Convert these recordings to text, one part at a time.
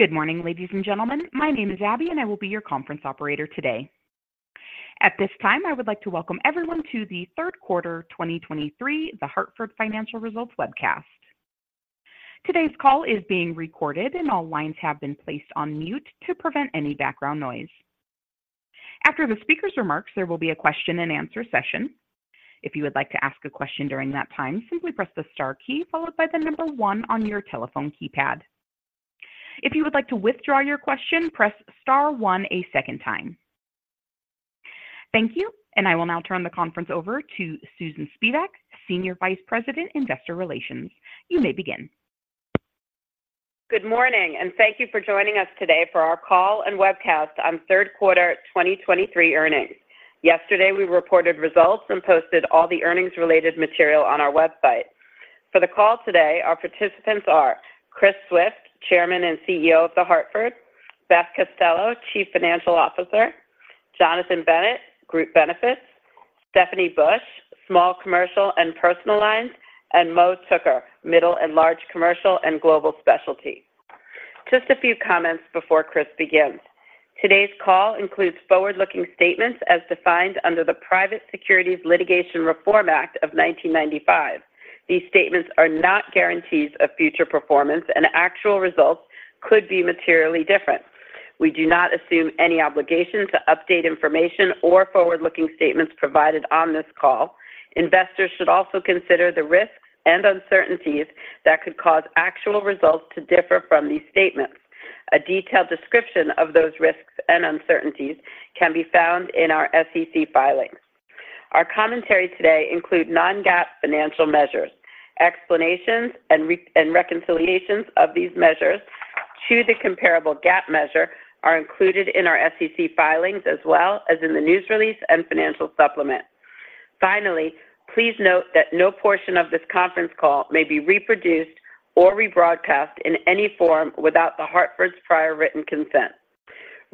Good morning, ladies and gentlemen. My name is Abby, and I will be your conference operator today. At this time, I would like to welcome everyone to the third quarter 2023 The Hartford Financial Results Webcast. Today's call is being recorded, and all lines have been placed on mute to prevent any background noise. After the speaker's remarks, there will be a question-and-answer session. If you would like to ask a question during that time, simply press the star key followed by the number 1 on your telephone keypad. If you would like to withdraw your question, press star 1 a second time. Thank you, and I will now turn the conference over to Susan Spivak, Senior Vice President, Investor Relations. You may begin. Good morning, and thank you for joining us today for our call and webcast on third quarter 2023 earnings. Yesterday, we reported results and posted all the earnings-related material on our website. For the call today, our participants are Chris Swift, Chairman and CEO of The Hartford; Beth Costello, Chief Financial Officer; Jonathan Bennett, Group Benefits; Stephanie Bush, Small Commercial and Personal Lines; and Mo Tooker, Middle and Large Commercial and Global Specialty. Just a few comments before Chris begins. Today's call includes forward-looking statements as defined under the Private Securities Litigation Reform Act of 1995. These statements are not guarantees of future performance, and actual results could be materially different. We do not assume any obligation to update information or forward-looking statements provided on this call. Investors should also consider the risks and uncertainties that could cause actual results to differ from these statements. A detailed description of those risks and uncertainties can be found in our SEC filings. Our commentary today include non-GAAP financial measures. Explanations and reconciliations of these measures to the comparable GAAP measure are included in our SEC filings, as well as in the news release and financial supplement. Finally, please note that no portion of this conference call may be reproduced or rebroadcast in any form without The Hartford's prior written consent.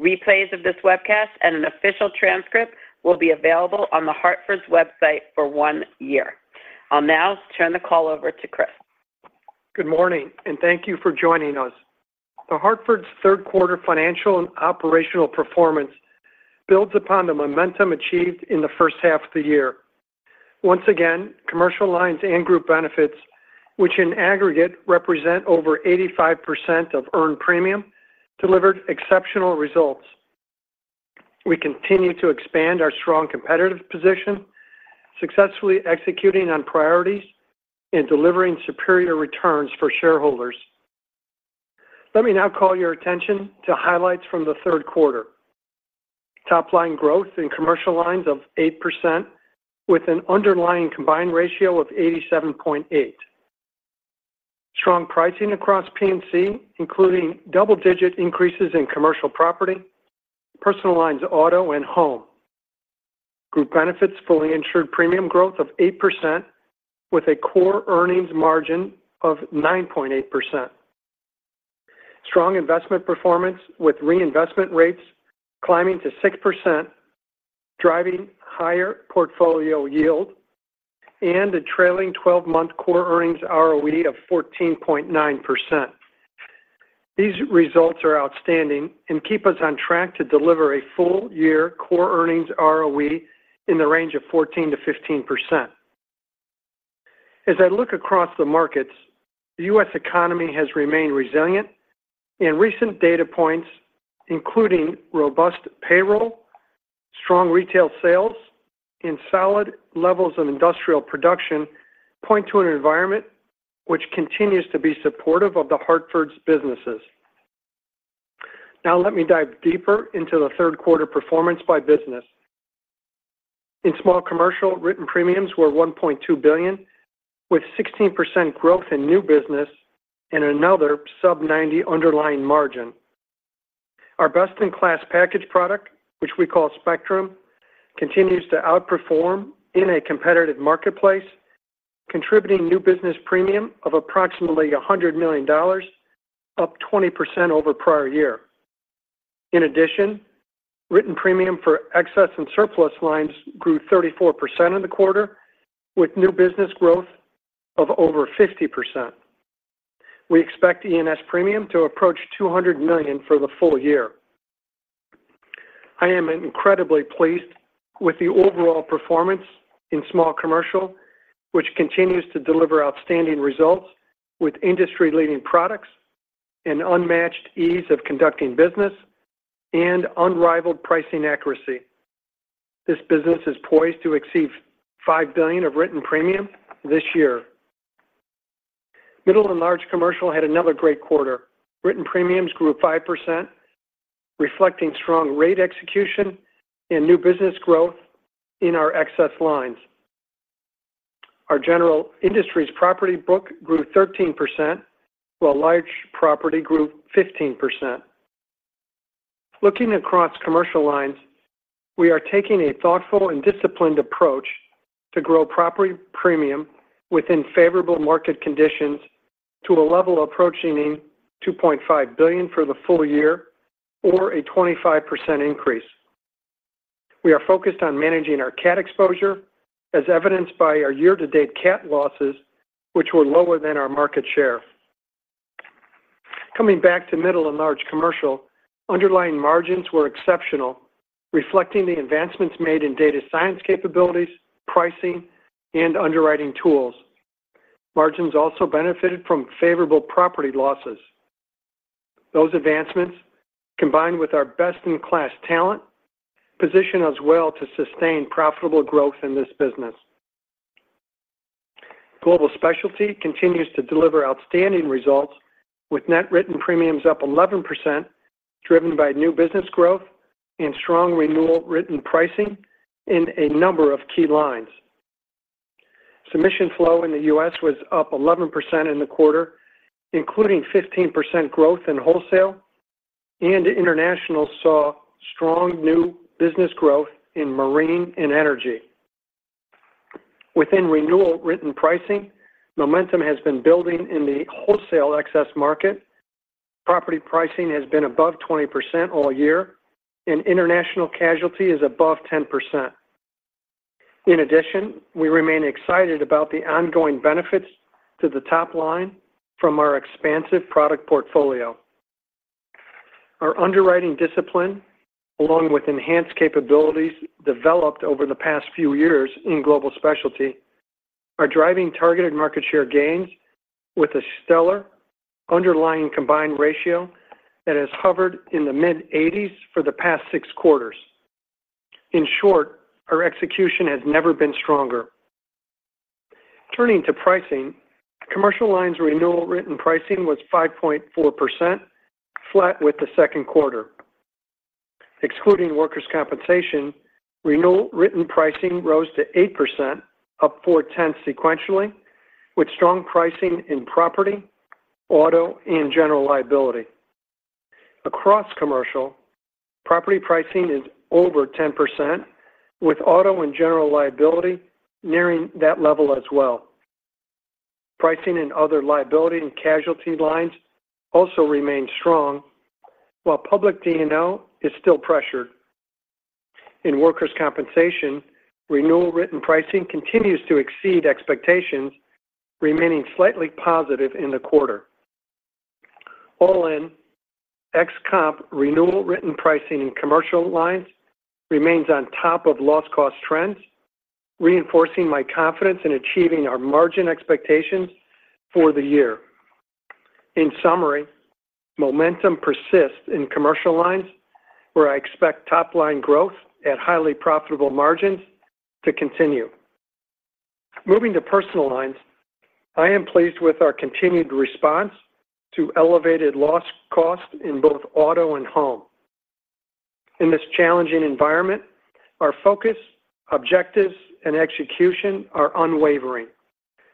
Replays of this webcast and an official transcript will be available on The Hartford's website for one year. I'll now turn the call over to Chris. Good morning, and thank you for joining us. The Hartford's third quarter financial and operational performance builds upon the momentum achieved in the first half of the year. Once again, commercial lines and group benefits, which in aggregate represent over 85% of earned premium, delivered exceptional results. We continue to expand our strong competitive position, successfully executing on priorities and delivering superior returns for shareholders. Let me now call your attention to highlights from the third quarter. Top-line growth in Commercial Lines of 8% with an underlying combined ratio of 87.8. Strong pricing across P&C, including double-digit increases in commercial property, personal lines, auto and home. Group Benefits fully insured premium growth of 8% with a core earnings margin of 9.8%. Strong investment performance with reinvestment rates climbing to 6%, driving higher portfolio yield and a trailing twelve-month core earnings ROE of 14.9%. These results are outstanding and keep us on track to deliver a full year core earnings ROE in the range of 14%-15%. As I look across the markets, the U.S. economy has remained resilient, and recent data points, including robust payroll, strong retail sales, and solid levels of industrial production, point to an environment which continues to be supportive of The Hartford's businesses. Now let me dive deeper into the third quarter performance by business. In small commercial, written premiums were $1.2 billion, with 16% growth in new business and another sub-90 underlying margin. Our best-in-class package product, which we call Spectrum, continues to outperform in a competitive marketplace, contributing new business premium of approximately $100 million, up 20% over prior year. In addition, written premium for excess and surplus lines grew 34% in the quarter, with new business growth of over 50%. We expect E&S premium to approach $200 million for the full year. I am incredibly pleased with the overall performance in small commercial, which continues to deliver outstanding results with industry-leading products and unmatched ease of conducting business and unrivaled pricing accuracy. This business is poised to exceed $5 billion of written premium this year. Middle and large commercial had another great quarter. Written premiums grew 5%, reflecting strong rate execution and new business growth in our excess lines. Our General Industries property book grew 13%, while large property grew 15%. Looking across commercial lines, we are taking a thoughtful and disciplined approach to grow property premium within favorable market conditions to a level approaching $2.5 billion for the full year or a 25% increase. We are focused on managing our cat exposure, as evidenced by our year-to-date cat losses, which were lower than our market share. Coming back to middle and large commercial, underlying margins were exceptional, reflecting the advancements made in data science capabilities, pricing, and underwriting tools. Margins also benefited from favorable property losses. Those advancements, combined with our best-in-class talent, position us well to sustain profitable growth in this business. Global Specialty continues to deliver outstanding results, with net written premiums up 11%, driven by new business growth and strong renewal written pricing in a number of key lines. Submission flow in the U.S. was up 11% in the quarter, including 15% growth in wholesale, and international saw strong new business growth in marine and Energy. Within renewal written pricing, momentum has been building in the wholesale excess market. Property pricing has been above 20% all year, and international casualty is above 10%. In addition, we remain excited about the ongoing benefits to the top line from our expansive product portfolio. Our underwriting discipline, along with enhanced capabilities developed over the past few years in Global Specialty, are driving targeted market share gains with a stellar Underlying Combined Ratio that has hovered in the mid-80s for the past six quarters. In short, our execution has never been stronger. Turning to pricing, Commercial Lines renewal written pricing was 5.4%, flat with the second quarter. Excluding workers' compensation, renewal written pricing rose to 8%, up 0.4 sequentially, with strong pricing in property, auto, and general liability. Across commercial, property pricing is over 10%, with auto and general liability nearing that level as well. Pricing and other liability and casualty lines also remain strong, while public D&O is still pressured. In workers' compensation, renewal written pricing continues to exceed expectations, remaining slightly positive in the quarter. All in, ex-comp renewal written pricing in Commercial Lines remains on top of loss cost trends, reinforcing my confidence in achieving our margin expectations for the year. In summary, momentum persists in Commercial Lines, where I expect top-line growth at highly profitable margins to continue. Moving to Personal Lines, I am pleased with our continued response to elevated loss costs in both auto and home. In this challenging environment, our focus, objectives, and execution are unwavering.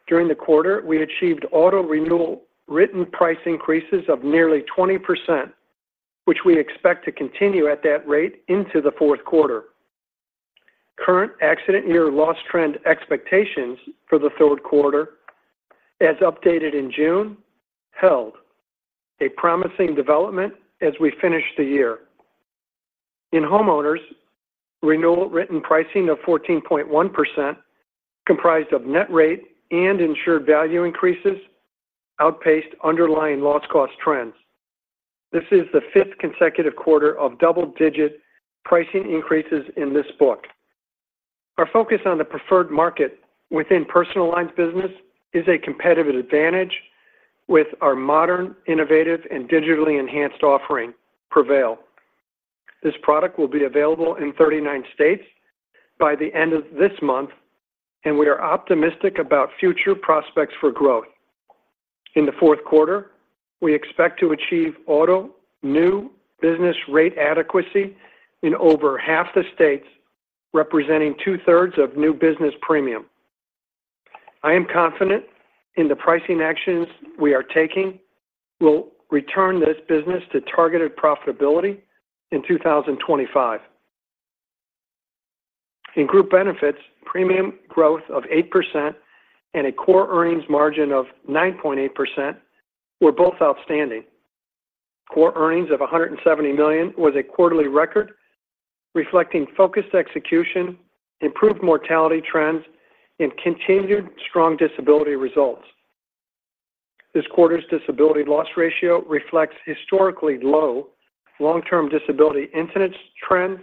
During the quarter, we achieved auto renewal written price increases of nearly 20%, which we expect to continue at that rate into the fourth quarter. Current accident year loss trend expectations for the third quarter, as updated in June, held a promising development as we finish the year. In homeowners, renewal written pricing of 14.1%, comprised of net rate and insured value increases, outpaced underlying loss cost trends. This is the fifth consecutive quarter of double-digit pricing increases in this book. Our focus on the preferred market within Personal Lines business is a competitive advantage with our modern, innovative, and digitally enhanced offering, Prevail. This product will be available in 39 states by the end of this month, and we are optimistic about future prospects for growth. In the fourth quarter, we expect to achieve auto new business rate adequacy in over half the states, representing two-thirds of new business premium. I am confident in the pricing actions we are taking will return this business to targeted profitability in 2025. In Group Benefits, premium growth of 8% and a core earnings margin of 9.8% were both outstanding. Core earnings of $170 million was a quarterly record, reflecting focused execution, improved mortality trends, and continued strong disability results. This quarter's disability loss ratio reflects historically low long-term disability incidence trends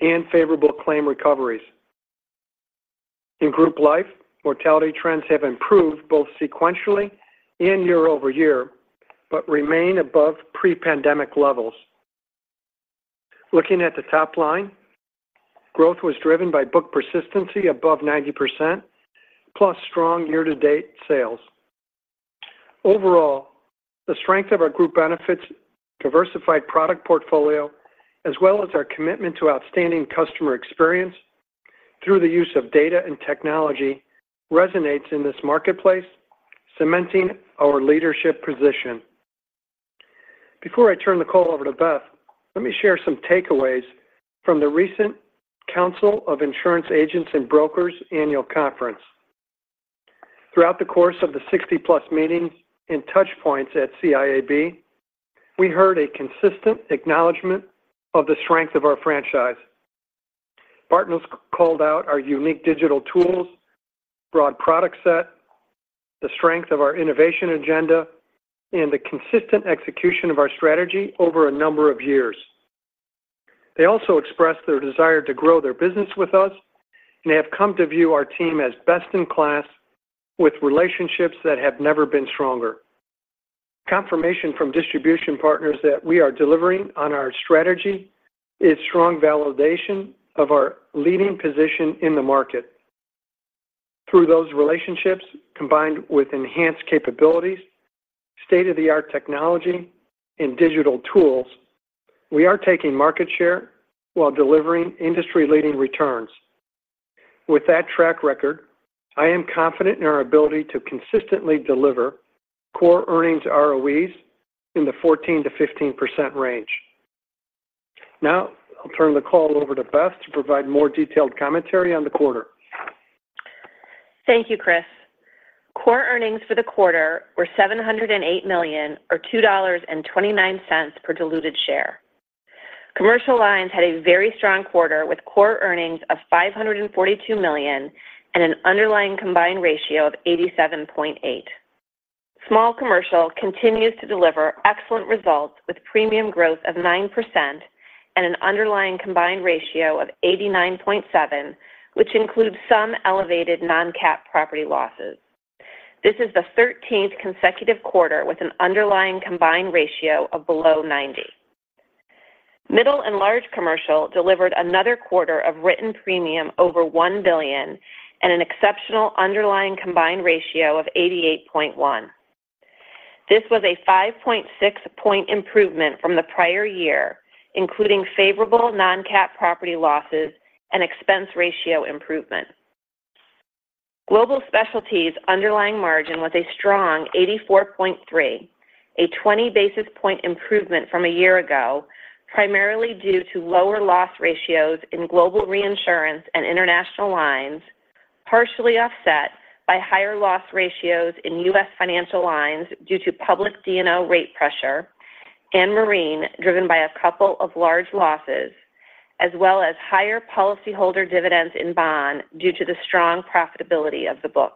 and favorable claim recoveries. In Group Life, mortality trends have improved both sequentially and year-over-year, but remain above pre-pandemic levels. Looking at the top line, growth was driven by book persistency above 90%, plus strong year-to-date sales. Overall, the strength of our Group Benefits diversified product portfolio, as well as our commitment to outstanding customer experience through the use of data and technology, resonates in this marketplace, cementing our leadership position. Before I turn the call over to Beth, let me share some takeaways from the recent Council of Insurance Agents and Brokers Annual Conference. Throughout the course of the 60-plus meetings and touch points at CIAB, we heard a consistent acknowledgment of the strength of our franchise. Partners called out our unique digital tools, broad product set, the strength of our innovation agenda, and the consistent execution of our strategy over a number of years. They also expressed their desire to grow their business with us, and they have come to view our team as best-in-class, with relationships that have never been stronger. Confirmation from distribution partners that we are delivering on our strategy is strong validation of our leading position in the market. Through those relationships, combined with enhanced capabilities, state-of-the-art technology, and digital tools, we are taking market share while delivering industry-leading returns. With that track record, I am confident in our ability to consistently deliver core earnings ROEs in the 14%-15% range. Now, I'll turn the call over to Beth to provide more detailed commentary on the quarter. Thank you, Chris. Core earnings for the quarter were $708 million, or $2.29 per diluted share. Commercial lines had a very strong quarter, with core earnings of $542 million and an underlying combined ratio of 87.8. Small commercial continues to deliver excellent results, with premium growth of 9% and an underlying combined ratio of 89.7, which includes some elevated non-cat property losses. This is the 13th consecutive quarter with an underlying combined ratio of below 90. Middle and large commercial delivered another quarter of written premium over $1 billion and an exceptional underlying combined ratio of 88.1. This was a 5.6-point improvement from the prior year, including favorable non-cat property losses and expense ratio improvement. Global Specialties' underlying margin was a strong 84.3, a 20 basis point improvement from a year ago, primarily due to lower loss ratios in Global Reinsurance and international lines, partially offset by higher loss ratios in U.S. financial lines due to public D&O rate pressure and marine, driven by a couple of large losses, as well as higher policyholder dividends in bond due to the strong profitability of the book.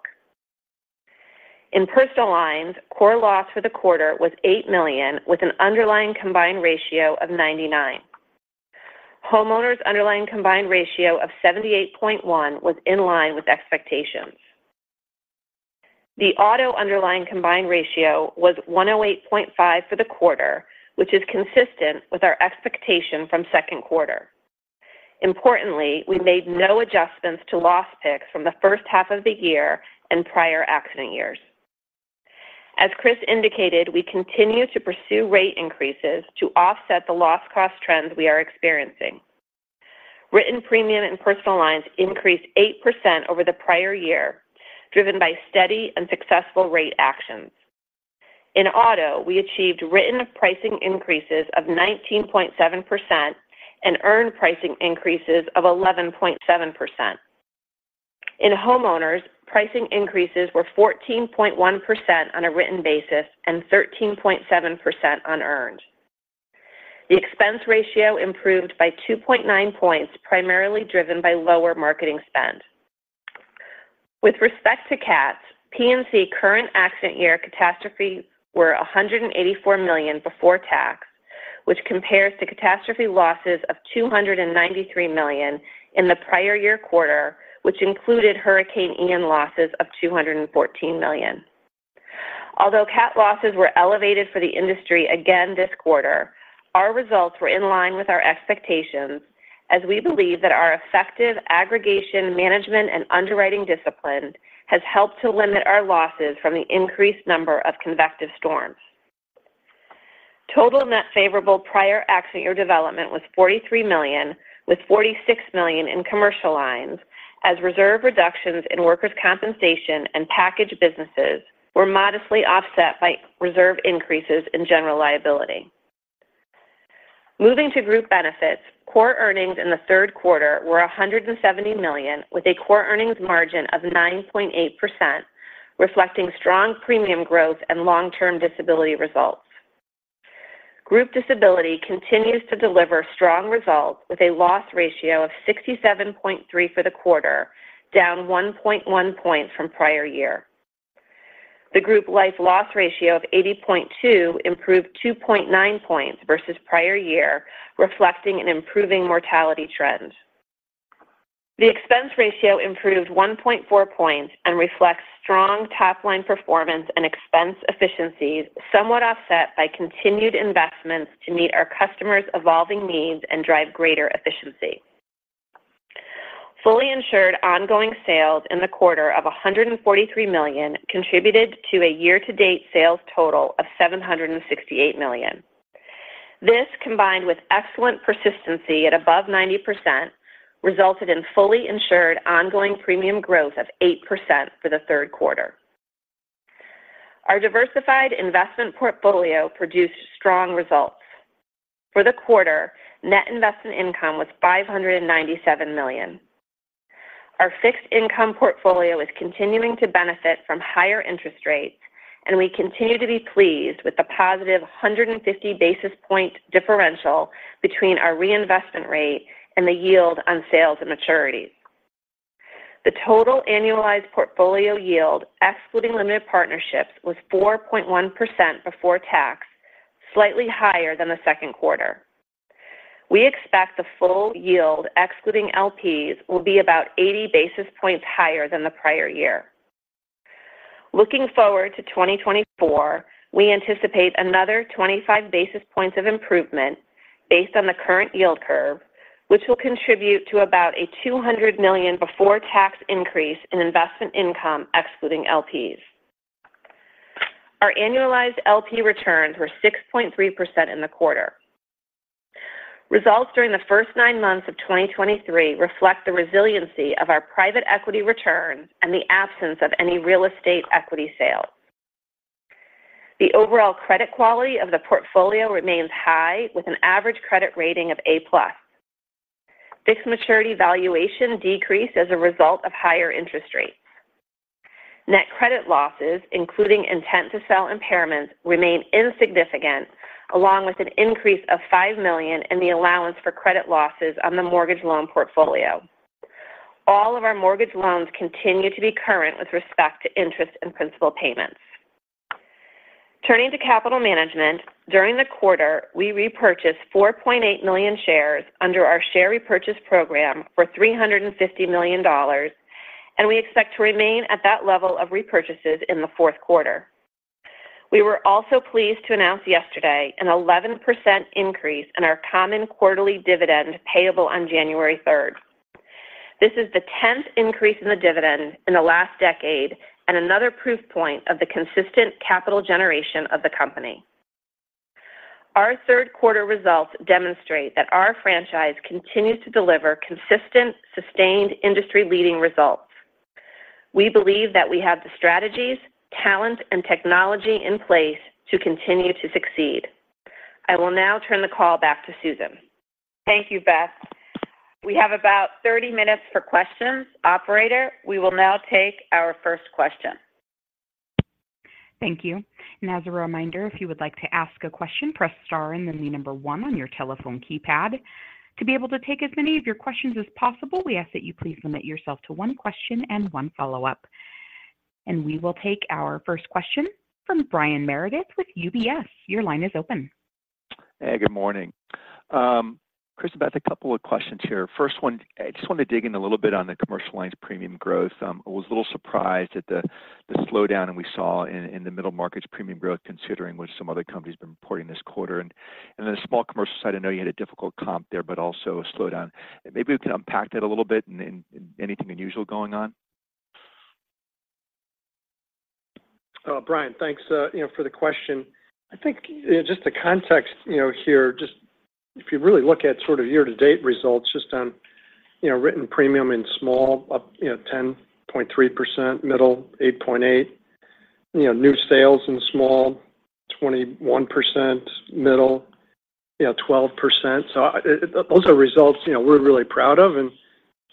In personal lines, core loss for the quarter was $8 million, with an underlying combined ratio of 99. Homeowners' underlying combined ratio of 78.1 was in line with expectations. The auto underlying combined ratio was 108.5 for the quarter, which is consistent with our expectation from second quarter. Importantly, we made no adjustments to loss picks from the first half of the year and prior accident years. As Chris indicated, we continue to pursue rate increases to offset the loss cost trends we are experiencing. Written premium and personal lines increased 8% over the prior year, driven by steady and successful rate actions. In auto, we achieved written pricing increases of 19.7% and earned pricing increases of 11.7%. In homeowners, pricing increases were 14.1% on a written basis and 13.7% on earned. The expense ratio improved by 2.9 points, primarily driven by lower marketing spend. With respect to cats, P&C current accident year catastrophe were $184 million before tax, which compares to catastrophe losses of $293 million in the prior year quarter, which included Hurricane Ian losses of $214 million. Although cat losses were elevated for the industry again this quarter, our results were in line with our expectations, as we believe that our effective aggregation, management, and underwriting discipline has helped to limit our losses from the increased number of convective storms. Total net favorable prior accident year development was $43 million, with $46 million in commercial lines, as reserve reductions in workers' compensation and package businesses were modestly offset by reserve increases in general liability. Moving to group benefits, core earnings in the third quarter were $170 million, with a core earnings margin of 9.8%, reflecting strong premium growth and long-term disability results. Group disability continues to deliver strong results, with a loss ratio of 67.3 for the quarter, down 1.1 points from prior year. The group life loss ratio of 80.2 improved 2.9 points versus prior year, reflecting an improving mortality trend. The expense ratio improved 1.4 points and reflects strong top-line performance and expense efficiencies, somewhat offset by continued investments to meet our customers' evolving needs and drive greater efficiency. Fully insured ongoing sales in the quarter of $143 million contributed to a year-to-date sales total of $768 million. This, combined with excellent persistency at above 90%, resulted in fully insured ongoing premium growth of 8% for the third quarter.... Our diversified investment portfolio produced strong results. For the quarter, net investment income was $597 million. Our fixed income portfolio is continuing to benefit from higher interest rates, and we continue to be pleased with the positive 150 basis point differential between our reinvestment rate and the yield on sales and maturities. The total annualized portfolio yield, excluding limited partnerships, was 4.1% before tax, slightly higher than the second quarter. We expect the full yield, excluding LPs, will be about 80 basis points higher than the prior year. Looking forward to 2024, we anticipate another 25 basis points of improvement based on the current yield curve, which will contribute to about a $200 million before tax increase in investment income, excluding LPs. Our annualized LP returns were 6.3% in the quarter. Results during the first 9 months of 2023 reflect the resiliency of our private equity returns and the absence of any real estate equity sales. The overall credit quality of the portfolio remains high, with an average credit rating of A+. Fixed maturity valuation decreased as a result of higher interest rates. Net credit losses, including intent to sell impairments, remain insignificant, along with an increase of $5 million in the allowance for credit losses on the mortgage loan portfolio. All of our mortgage loans continue to be current with respect to interest and principal payments. Turning to capital management, during the quarter, we repurchased 4.8 million shares under our share repurchase program for $350 million, and we expect to remain at that level of repurchases in the fourth quarter. We were also pleased to announce yesterday an 11% increase in our common quarterly dividend payable on January third. This is the 10th increase in the dividend in the last decade and another proof point of the consistent capital generation of the company. Our third quarter results demonstrate that our franchise continues to deliver consistent, sustained, industry-leading results. We believe that we have the strategies, talent, and technology in place to continue to succeed. I will now turn the call back to Susan. Thank you, Beth. We have about 30 minutes for questions. Operator, we will now take our first question. Thank you. And as a reminder, if you would like to ask a question, press Star and then the number one on your telephone keypad. To be able to take as many of your questions as possible, we ask that you please limit yourself to one question and one follow-up. And we will take our first question from Brian Meredith with UBS. Your line is open. Hey, good morning. Chris, Beth, a couple of questions here. First one, I just wanted to dig in a little bit on the commercial lines premium growth. I was a little surprised at the slowdown we saw in the middle markets premium growth, considering what some other companies have been reporting this quarter. Then the small commercial side, I know you had a difficult comp there, but also a slowdown. Maybe we can unpack that a little bit, and anything unusual going on? Brian, thanks, you know, for the question. I think, just the context, you know, here, just if you really look at sort of year-to-date results, just on, you know, written premium in small, up, you know, 10.3%, middle, 8.8%. You know, new sales in small, 21%, middle, you know, 12%. So, those are results, you know, we're really proud of and,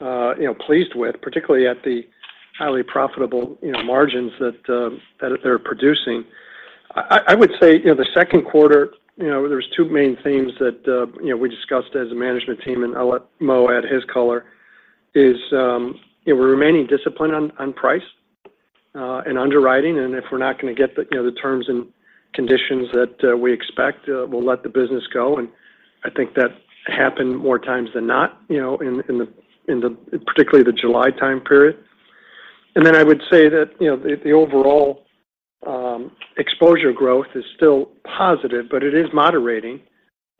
you know, pleased with, particularly at the highly profitable, you know, margins that, that they're producing. I would say, you know, the second quarter, you know, there's two main themes that, you know, we discussed as a management team, and I'll let Mo add his color, is, you know, we're remaining disciplined on, on price, and underwriting, and if we're not going to get the, you know, the terms and conditions that, we expect, we'll let the business go. And I think that happened more times than not, you know, in particularly the July time period. And then I would say that, you know, the, the overall, exposure growth is still positive, but it is moderating,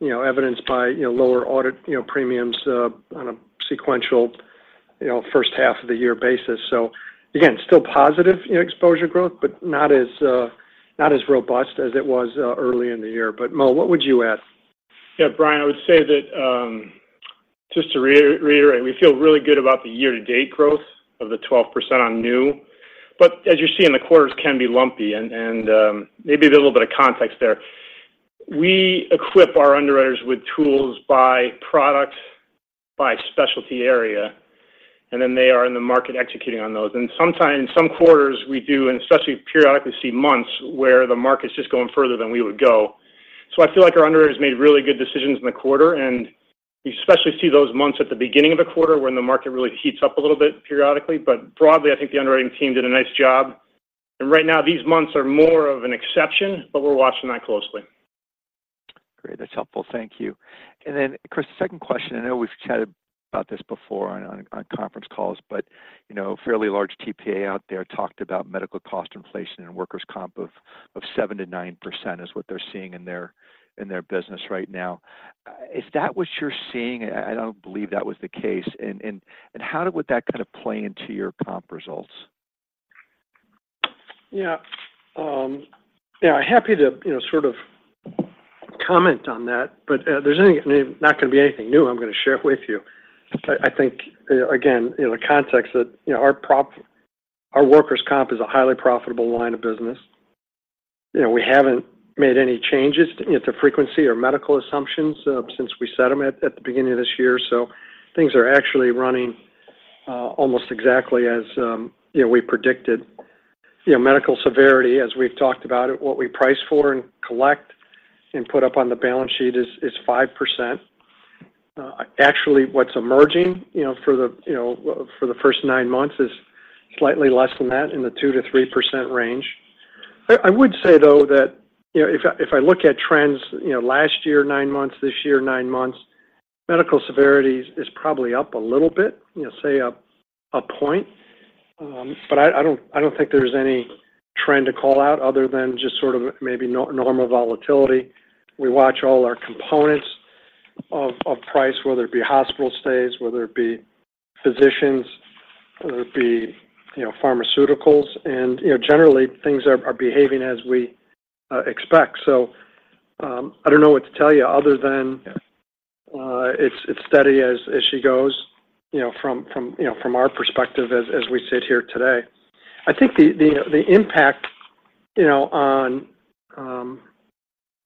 you know, evidenced by, you know, lower audit, you know, premiums, on a sequential, you know, first half of the year basis. So again, still positive exposure growth, but not as robust as it was early in the year. But Mo, what would you add? Yeah, Brian, I would say that, just to reiterate, we feel really good about the year-to-date growth of the 12% on new, but as you see in the quarters can be lumpy. And maybe a little bit of context there. We equip our underwriters with tools by product, by specialty area, and then they are in the market executing on those. And sometimes, in some quarters, we do, and especially periodically see months where the market's just going further than we would go. So I feel like our underwriters made really good decisions in the quarter, and you especially see those months at the beginning of a quarter when the market really heats up a little bit periodically. But broadly, I think the underwriting team did a nice job. And right now, these months are more of an exception, but we're watching that closely. Great. That's helpful. Thank you. And then, Chris, the second question, I know we've chatted about this before on conference calls, but, you know, a fairly large TPA out there talked about medical cost inflation and workers' comp of 7%-9% is what they're seeing in their business right now. Is that what you're seeing? I don't believe that was the case. And how would that kind of play into your comp results? Yeah. Yeah, happy to, you know, sort of comment on that, but there's not gonna be anything new I'm gonna share with you. I think, again, in the context that, you know, our workers' comp is a highly profitable line of business. You know, we haven't made any changes to frequency or medical assumptions since we set them at the beginning of this year, so things are actually running almost exactly as you know, we predicted. You know, medical severity, as we've talked about it, what we price for and collect and put up on the balance sheet is 5%. Actually, what's emerging, you know, for the first nine months is slightly less than that, in the 2%-3% range. I would say, though, that, you know, if I look at trends, you know, last year, 9 months, this year, 9 months, medical severity is probably up a little bit, you know, say, up a point. But I don't think there's any trend to call out other than just sort of maybe normal volatility. We watch all our components of price, whether it be hospital stays, whether it be physicians, whether it be, you know, pharmaceuticals, and, you know, generally, things are behaving as we expect. So, I don't know what to tell you other than, it's steady as she goes, you know, from our perspective as we sit here today. I think the impact, you know, on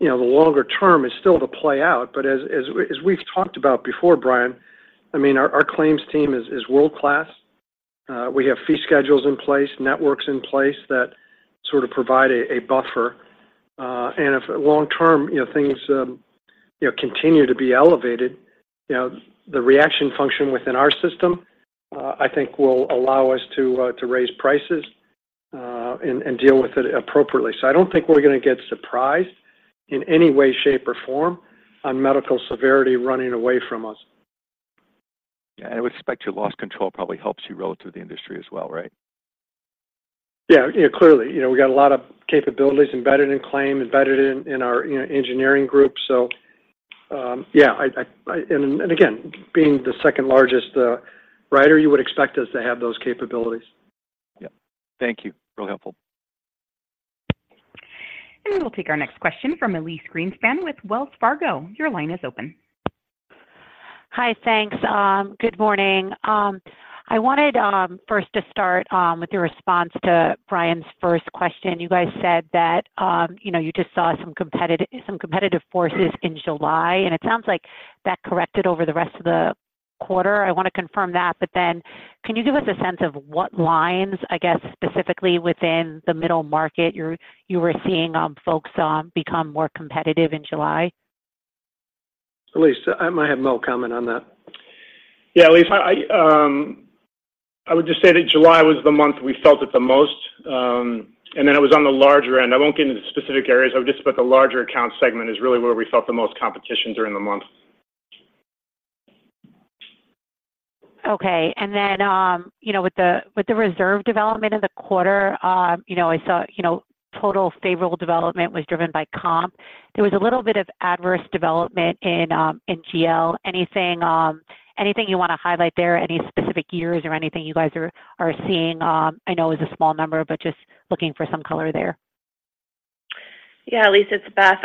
the longer term is still to play out, but as we've talked about before, Brian, I mean, our claims team is world-class. We have fee schedules in place, networks in place that sort of provide a buffer. And if long term, you know, things continue to be elevated, you know, the reaction function within our system, I think will allow us to raise prices and deal with it appropriately. So I don't think we're gonna get surprised in any way, shape, or form on medical severity running away from us. Yeah, I would expect your loss control probably helps you relative to the industry as well, right? Yeah. Yeah, clearly, you know, we got a lot of capabilities embedded in claim, embedded in our engineering group, so, yeah, I. And again, being the second-largest writer, you would expect us to have those capabilities. Yeah. Thank you. Real helpful. We will take our next question from Elyse Greenspan with Wells Fargo. Your line is open. Hi, thanks. Good morning. I wanted first to start with your response to Brian's first question. You guys said that, you know, you just saw some competitive, some competitive forces in July, and it sounds like that corrected over the rest of the quarter. I want to confirm that, but then can you give us a sense of what lines, I guess, specifically within the middle market you're, you were seeing folks become more competitive in July? Elise, I might have Mo comment on that. Yeah, Elise, I would just say that July was the month we felt it the most, and then it was on the larger end. I won't get into the specific areas. I would just put the larger account segment is really where we felt the most competition during the month. Okay. And then, you know, with the reserve development in the quarter, you know, I saw, you know, total favorable development was driven by comp. There was a little bit of adverse development in in GL. Anything, anything you want to highlight there? Any specific years or anything you guys are seeing, I know is a small number, but just looking for some color there. Yeah, Elise, it's Beth.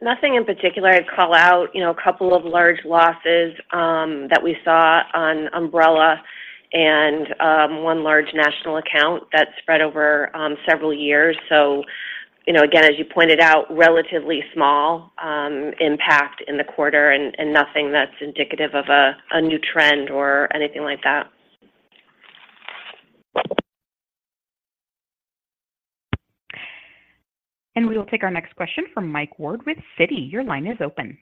Nothing in particular I'd call out. You know, a couple of large losses that we saw on Umbrella and one large national account that spread over several years. So, you know, again, as you pointed out, relatively small impact in the quarter and nothing that's indicative of a new trend or anything like that. We will take our next question from Mike Ward with Citi. Your line is open.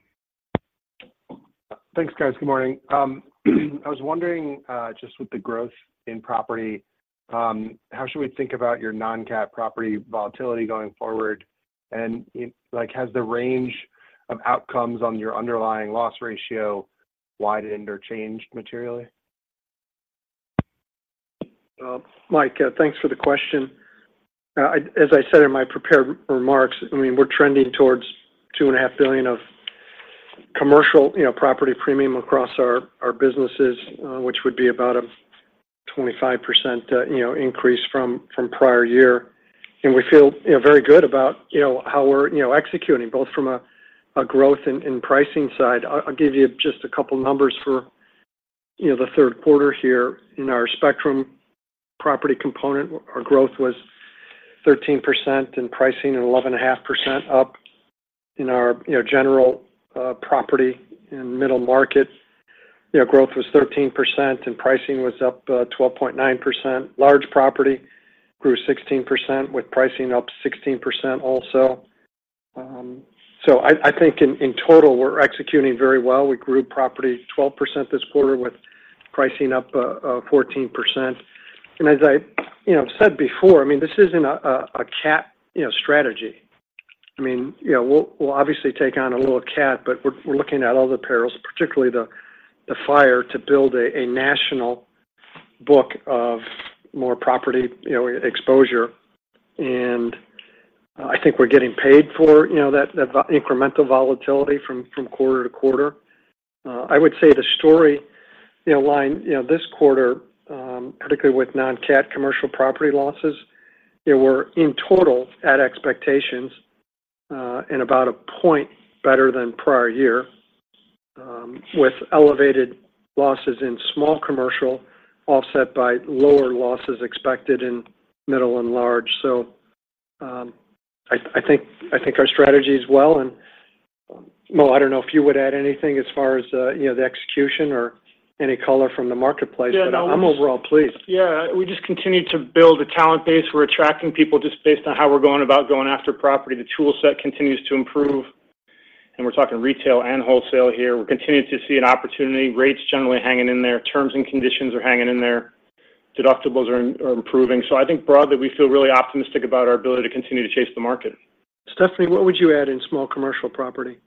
Thanks, guys. Good morning. I was wondering, just with the growth in property, how should we think about your non-cat property volatility going forward? And, like, has the range of outcomes on your underlying loss ratio widened or changed materially? Mike, thanks for the question. As I said in my prepared remarks, I mean, we're trending toward $2.5 billion of commercial, you know, property premium across our, our businesses, which would be about a 25%, you know, increase from prior year. And we feel, you know, very good about, you know, how we're, you know, executing, both from a growth and pricing side. I'll give you just a couple numbers for, you know, the third quarter here. In our Spectrum property component, our growth was 13%, and pricing at 11.5% up. In our, you know, general, property in middle market, you know, growth was 13%, and pricing was up, twelve point nine percent. Large property grew 16%, with pricing up 16% also. So I think in total, we're executing very well. We grew property 12% this quarter, with pricing up 14%. And as I, you know, said before, I mean, this isn't a cat strategy. I mean, you know, we'll obviously take on a little cat, but we're looking at all the perils, particularly the fire, to build a national book of more property exposure. And I think we're getting paid for that incremental volatility from quarter to quarter. I would say the story line this quarter, particularly with non-cat commercial property losses, they were in total at expectations, and about a point better than prior year, with elevated losses in small commercial, offset by lower losses expected in middle and large. So, I think our strategy is well, and well, I don't know if you would add anything as far as, you know, the execution or any color from the marketplace- Yeah, no- But I'm overall pleased. Yeah, we just continue to build a talent base. We're attracting people just based on how we're going about going after property. The tool set continues to improve, and we're talking retail and wholesale here. We're continuing to see an opportunity, rates generally hanging in there, terms and conditions are hanging in there, deductibles are improving. So I think broadly, we feel really optimistic about our ability to continue to chase the market. Stephanie, what would you add in small commercial property,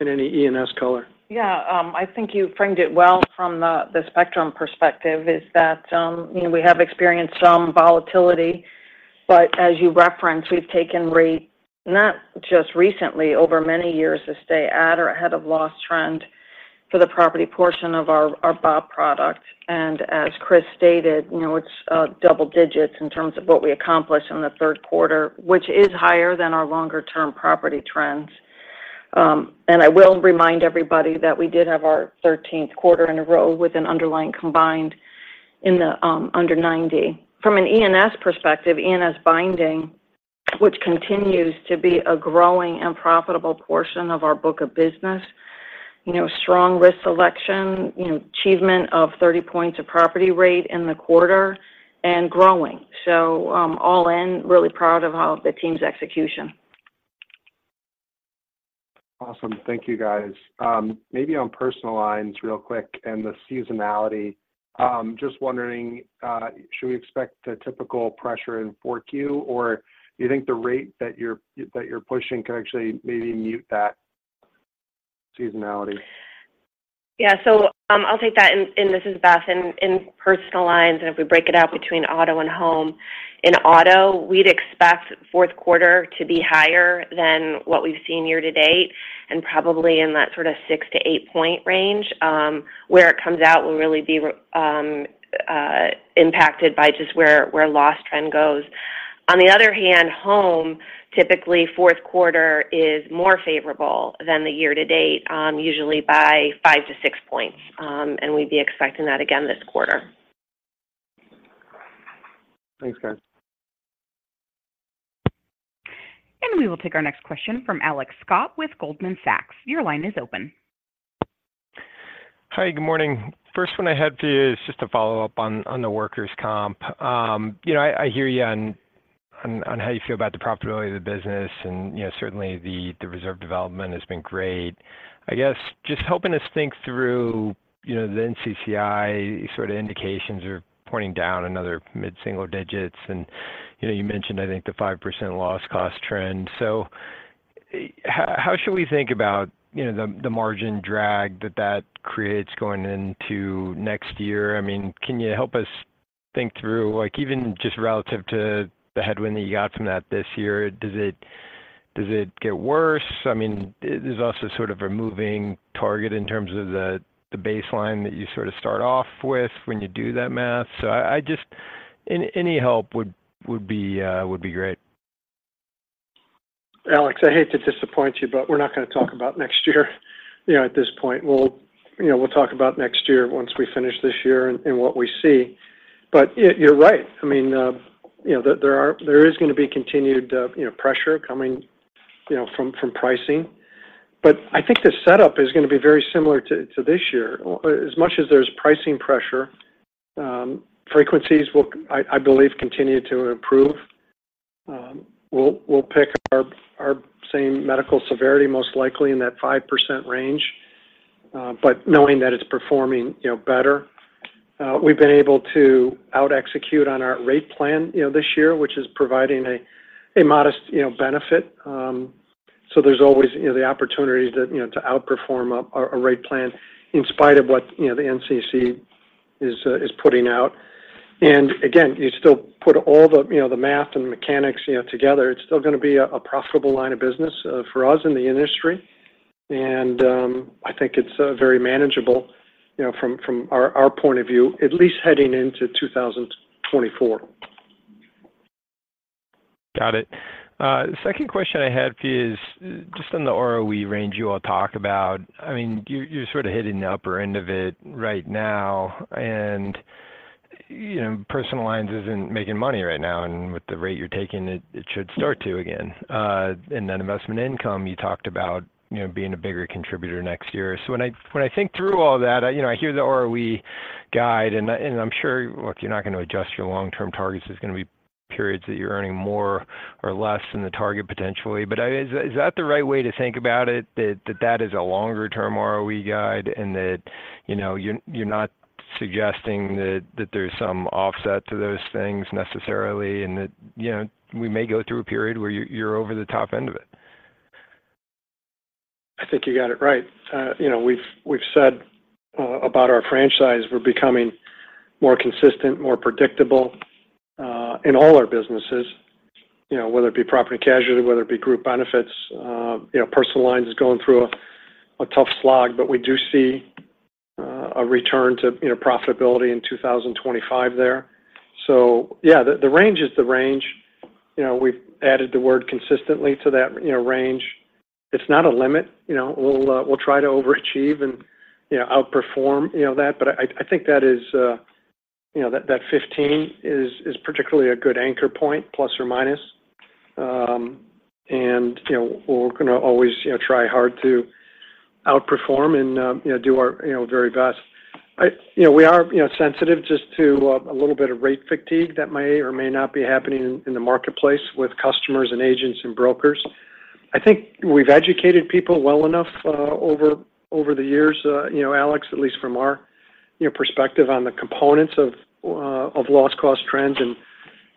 and any E&S color? Yeah, I think you framed it well from the spectrum perspective, is that, you know, we have experienced some volatility. As you referenced, we've taken rate, not just recently, over many years, to stay at or ahead of loss trend for the property portion of our BOP product. As Chris stated, you know, it's double digits in terms of what we accomplished in the third quarter, which is higher than our longer-term property trends. I will remind everybody that we did have our thirteenth quarter in a row with an underlying combined in the under 90. From an E&S perspective, E&S binding, which continues to be a growing and profitable portion of our book of business, you know, strong risk selection, you know, achievement of 30 points of property rate in the quarter and growing. All in, really proud of how the team's execution. Awesome. Thank you, guys. Maybe on personal lines real quick and the seasonality, just wondering, should we expect a typical pressure in Q4 or do you think the rate that you're, that you're pushing could actually maybe mute that seasonality? Yeah. So, I'll take that, and this is Beth. In personal lines, and if we break it out between auto and home, in auto, we'd expect fourth quarter to be higher than what we've seen year to date, and probably in that sort of 6-8-point range. Where it comes out will really be impacted by just where loss trend goes. On the other hand, home, typically, fourth quarter is more favorable than the year to date, usually by 5-6 points. And we'd be expecting that again this quarter. Thanks, guys. We will take our next question from Alex Scott with Goldman Sachs. Your line is open. Hi, good morning. First one I had for you is just a follow-up on the workers' comp. You know, I hear you on how you feel about the profitability of the business, and, you know, certainly the reserve development has been great. I guess, just helping us think through, you know, the NCCI sort of indications are pointing down another mid-single digits, and, you know, you mentioned, I think, the 5% loss cost trend. So how should we think about, you know, the margin drag that that creates going into next year? I mean, can you help us think through, like, even just relative to the headwind that you got from that this year, does it get worse? I mean, there's also sort of a moving target in terms of the baseline that you sort of start off with when you do that math. So I just—any help would be great. Alex, I hate to disappoint you, but we're not going to talk about next year, you know, at this point. We'll, you know, we'll talk about next year once we finish this year and what we see. But you're right. I mean, you know, there is going to be continued, you know, pressure coming, you know, from pricing, but I think the setup is going to be very similar to this year. As much as there's pricing pressure, frequencies will, I believe, continue to improve. We'll pick our same medical severity, most likely in that 5% range, but knowing that it's performing, you know, better. We've been able to out execute on our rate plan, you know, this year, which is providing a modest, you know, benefit. So there's always, you know, the opportunity to, you know, to outperform a rate plan in spite of what, you know, the NCCI is putting out. And again, you still put all the, you know, the math and the mechanics, you know, together, it's still going to be a profitable line of business, for us in the industry. And, I think it's very manageable, you know, from our point of view, at least heading into 2024. Got it. The second question I had for you is just on the ROE range you all talk about. I mean, you're, you're sort of hitting the upper end of it right now, and, you know, personal lines isn't making money right now, and with the rate you're taking it, it should start to again. And then investment income, you talked about, you know, being a bigger contributor next year. So when I, when I think through all that, I, you know, I hear the ROE guide, and I, and I'm sure, look, you're not going to adjust your long-term targets. There's going to be periods that you're earning more or less than the target, potentially. But is that the right way to think about it, that that is a longer-term ROE guide, and that, you know, you're not suggesting that there's some offset to those things necessarily, and that, you know, we may go through a period where you're over the top end of it? I think you got it right. You know, we've said about our franchise, we're becoming more consistent, more predictable in all our businesses. You know, whether it be property and casualty, whether it be group benefits, you know, personal lines is going through a tough slog, but we do see a return to, you know, profitability in 2025 there. So yeah, the range is the range. You know, we've added the word consistently to that, you know, range. It's not a limit, you know, we'll try to overachieve and, you know, outperform, you know, that. But I think that is, you know, that 15 is particularly a good anchor point, plus or minus. You know, we're gonna always, you know, try hard to outperform and, you know, do our, you know, very best. You know, we are, you know, sensitive just to a little bit of rate fatigue that may or may not be happening in the marketplace with customers, and agents, and brokers. I think we've educated people well enough over the years, you know, Alex, at least from our, you know, perspective on the components of loss cost trends, and,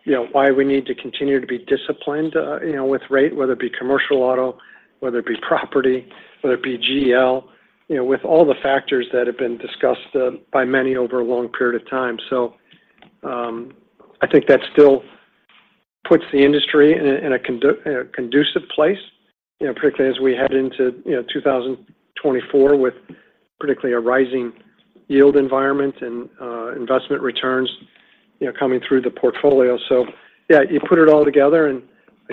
you know, why we need to continue to be disciplined, you know, with rate, whether it be commercial auto, whether it be property, whether it be GL, you know, with all the factors that have been discussed by many over a long period of time. So, I think that still puts the industry in a conducive place, you know, particularly as we head into 2024, with particularly a rising yield environment and investment returns, you know, coming through the portfolio. So yeah, you put it all together, and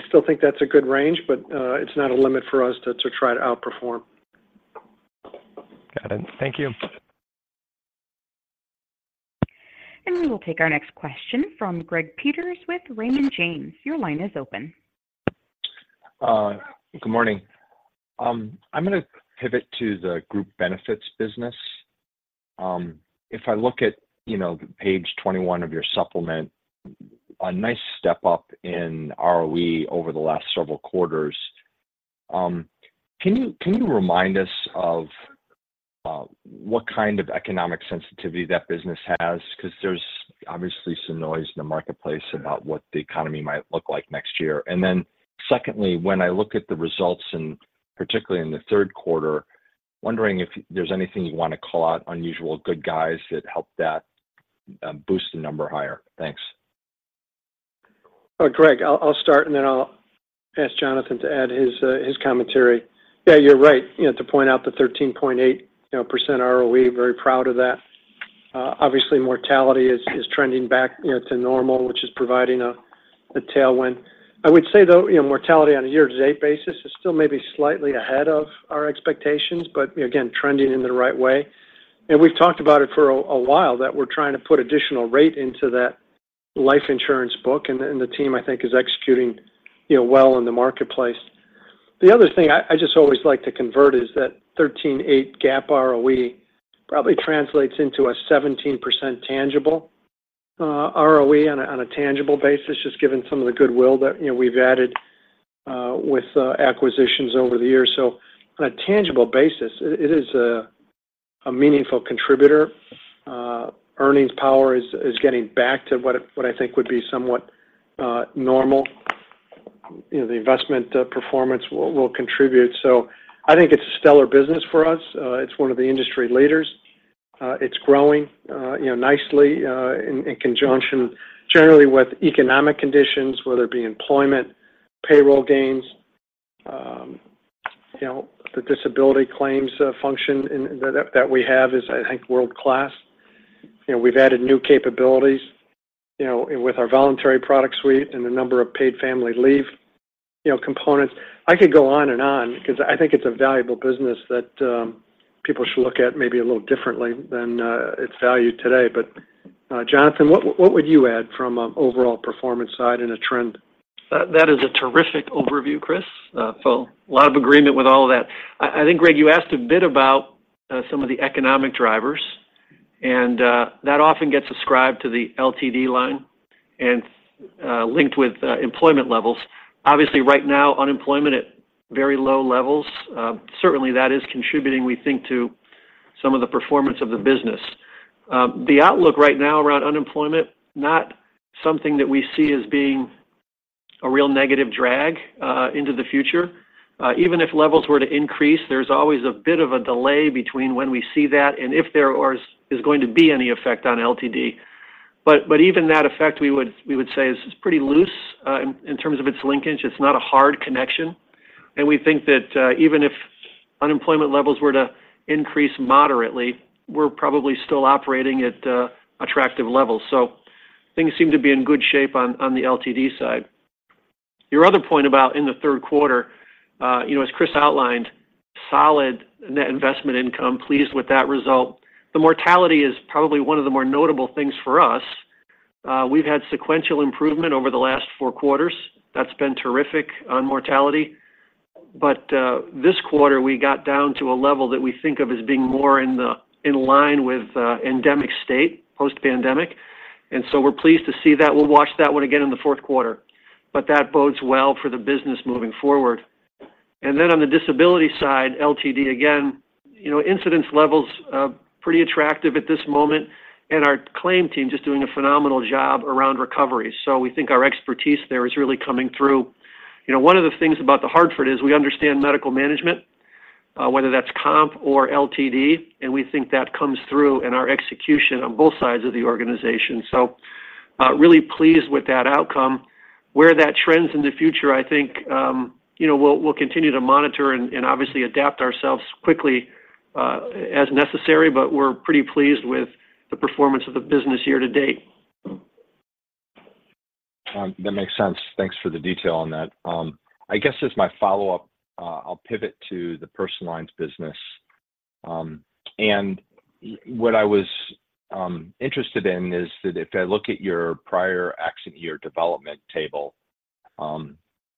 I still think that's a good range, but it's not a limit for us to try to outperform. Got it. Thank you. We will take our next question from Greg Peters with Raymond James. Your line is open. Good morning. I'm gonna pivot to the group benefits business. If I look at, you know, page 21 of your supplement, a nice step up in ROE over the last several quarters. Can you remind us of what kind of economic sensitivity that business has? Because there's obviously some noise in the marketplace about what the economy might look like next year. And then secondly, when I look at the results, and particularly in the third quarter, wondering if there's anything you want to call out, unusual good guys that helped that boost the number higher? Thanks. Greg, I'll start, and then I'll ask Jonathan to add his commentary. Yeah, you're right, you know, to point out the 13.8% ROE, very proud of that. Obviously, mortality is trending back, you know, to normal, which is providing a tailwind. I would say, though, you know, mortality on a year-to-date basis is still maybe slightly ahead of our expectations, but again, trending in the right way. And we've talked about it for a while, that we're trying to put additional rate into that life insurance book, and the team, I think, is executing, you know, well in the marketplace. The other thing I just always like to convert is that 13.8 GAAP ROE probably translates into a 17% tangible ROE on a tangible basis, just given some of the goodwill that, you know, we've added with acquisitions over the years. So on a tangible basis, it is a meaningful contributor. Earnings power is getting back to what I think would be somewhat normal. You know, the investment performance will contribute. So I think it's a stellar business for us. It's one of the industry leaders. It's growing, you know, nicely in conjunction generally with economic conditions, whether it be employment, payroll gains, you know, the disability claims function in, that we have is, I think, world-class. You know, we've added new capabilities, you know, with our voluntary product suite and the number of paid family leave, you know, components. I could go on and on because I think it's a valuable business that people should look at maybe a little differently than it's valued today. But, Jonathan, what would you add from an overall performance side and a trend? That is a terrific overview, Chris. So a lot of agreement with all of that. I think, Greg, you asked a bit about some of the economic drivers, and that often gets ascribed to the LTD line and linked with employment levels. Obviously, right now, unemployment at very low levels. Certainly, that is contributing, we think, to some of the performance of the business. The outlook right now around unemployment, not something that we see as being a real negative drag into the future. Even if levels were to increase, there's always a bit of a delay between when we see that and if there is going to be any effect on LTD. But even that effect, we would say, is pretty loose in terms of its linkage. It's not a hard connection, and we think that, even if unemployment levels were to increase moderately, we're probably still operating at, attractive levels. So things seem to be in good shape on the LTD side. Your other point about in the third quarter, you know, as Chris outlined, solid net investment income, pleased with that result. The mortality is probably one of the more notable things for us. We've had sequential improvement over the last four quarters. That's been terrific on mortality. But, this quarter, we got down to a level that we think of as being more in line with, endemic state, post-pandemic, and so we're pleased to see that. We'll watch that one again in the fourth quarter, but that bodes well for the business moving forward. And then on the disability side, LTD, again, you know, incidence levels pretty attractive at this moment, and our claim team just doing a phenomenal job around recovery. So we think our expertise there is really coming through. You know, one of the things about The Hartford is we understand medical management. Whether that's comp or LTD, and we think that comes through in our execution on both sides of the organization. So, really pleased with that outcome. Where that trends in the future, I think, you know, we'll continue to monitor and obviously adapt ourselves quickly, as necessary, but we're pretty pleased with the performance of the business year to date. That makes sense. Thanks for the detail on that. I guess as my follow-up, I'll pivot to the personal lines business. What I was interested in is that if I look at your prior accident year development table,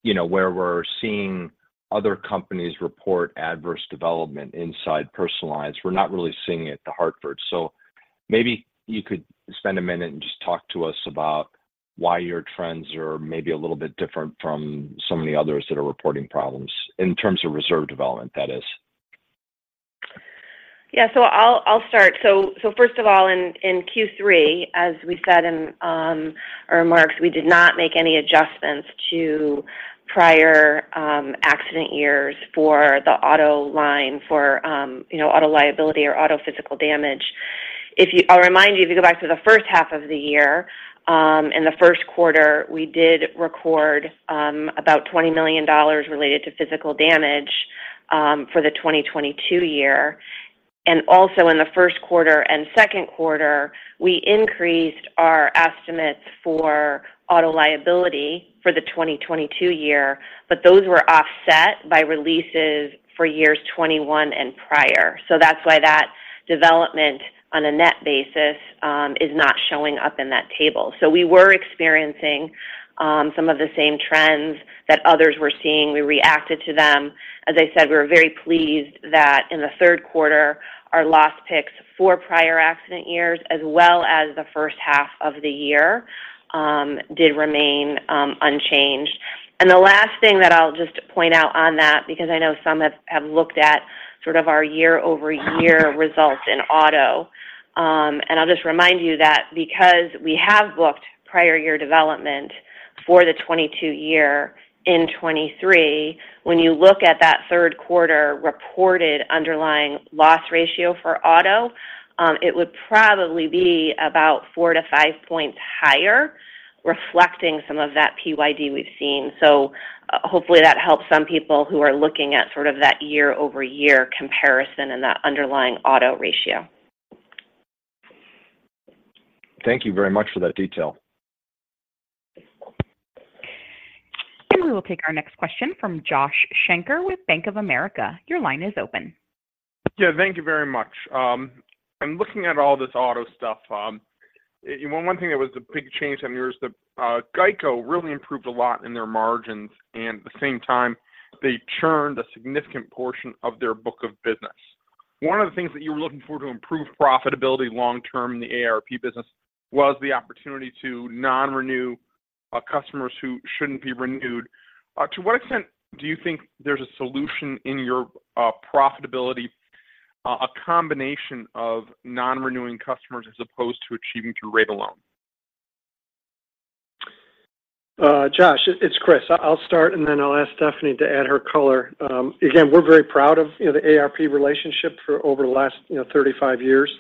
you know, where we're seeing other companies report adverse development inside personal lines, we're not really seeing it at The Hartford. So maybe you could spend a minute and just talk to us about why your trends are maybe a little bit different from some of the others that are reporting problems, in terms of reserve development, that is. Yeah. So I'll start. So first of all, in Q3, as we said in our remarks, we did not make any adjustments to prior accident years for the auto line, for you know, auto liability or auto physical damage. I'll remind you, if you go back to the first half of the year, in the first quarter, we did record about $20 million related to physical damage for the 2022 year. And also in the first quarter and second quarter, we increased our estimates for auto liability for the 2022 year, but those were offset by releases for years 2021 and prior. So that's why that development on a net basis is not showing up in that table. So we were experiencing some of the same trends that others were seeing. We reacted to them. As I said, we were very pleased that in the third quarter, our loss picks for prior accident years, as well as the first half of the year, did remain unchanged. The last thing that I'll just point out on that, because I know some have looked at sort of our year-over-year results in auto. I'll just remind you that because we have booked prior year development for the 2022 year in 2023, when you look at that third quarter reported underlying loss ratio for auto, it would probably be about 4-5 points higher, reflecting some of that PYD we've seen. Hopefully, that helps some people who are looking at sort of that year-over-year comparison and that underlying auto ratio. Thank you very much for that detail. We will take our next question from Josh Shanker with Bank of America. Your line is open. Yeah, thank you very much. I'm looking at all this auto stuff. You know, one thing that was a big change I noticed that GEICO really improved a lot in their margins, and at the same time, they churned a significant portion of their book of business. One of the things that you were looking for to improve profitability long term in the AARP business was the opportunity to nonrenew customers who shouldn't be renewed. To what extent do you think there's a solution in your profitability, a combination of nonrenewing customers as opposed to achieving through rate alone? Josh, it's Chris. I'll start, and then I'll ask Stephanie to add her color. Again, we're very proud of, you know, the AARP relationship for over the last, you know, 35 years.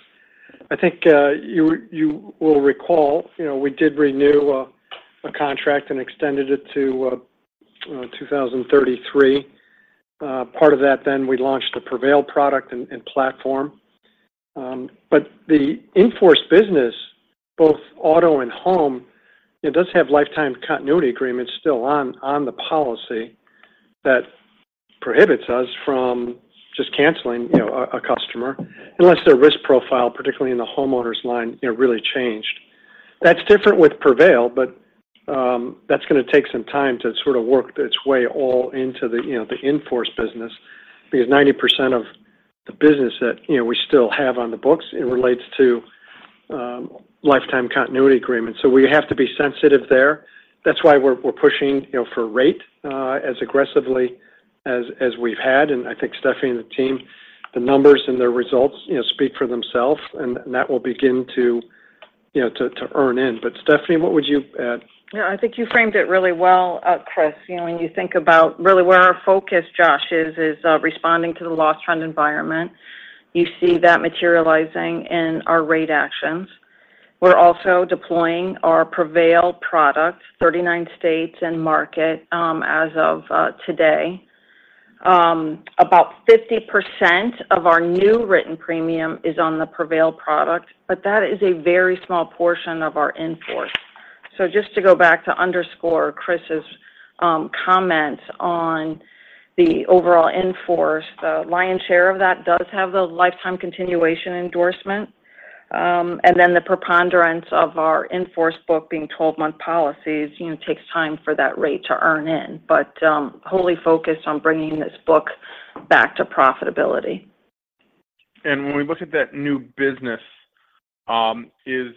I think, you will recall, you know, we did renew a contract and extended it to 2033. Part of that, then, we launched the Prevail product and platform. But the in-force business, both auto and home, it does have lifetime continuity agreements still on the policy that prohibits us from just canceling, you know, a customer unless their risk profile, particularly in the homeowner's line, you know, really changed. That's different with Prevail, but that's going to take some time to sort of work its way all into the, you know, the in-force business, because 90% of the business that, you know, we still have on the books, it relates to lifetime continuity agreements. So we have to be sensitive there. That's why we're, we're pushing, you know, for rate as aggressively as, as we've had. And I think Stephanie and the team, the numbers and the results, you know, speak for themselves, and, and that will begin to, you know, to, to earn in. But Stephanie, what would you add? Yeah, I think you framed it really well, Chris. You know, when you think about really where our focus, Josh, is, responding to the loss trend environment, you see that materializing in our rate actions. We're also deploying our Prevail products, 39 states and market, as of today. About 50% of our new written premium is on the Prevail product, but that is a very small portion of our in-force. So just to go back to underscore Chris's comment on the overall in-force, the lion's share of that does have the lifetime continuation endorsement. And then the preponderance of our in-force book being 12-month policies, you know, takes time for that rate to earn in, but wholly focused on bringing this book back to profitability. When we look at that new business, is